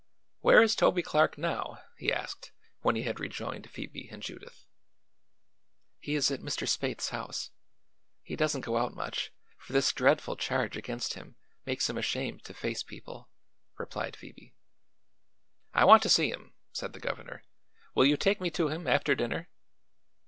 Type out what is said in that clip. "Where is Toby Clark now?" he asked when he had rejoined Phoebe and Judith. "He is at Mr. Spaythe's house. He doesn't go out much, for this dreadful charge against him makes him ashamed to face people," replied Phoebe. "I want to see him," said the governor. "Will you take me to him after dinner?"